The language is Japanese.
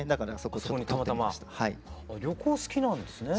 旅行好きなんですね？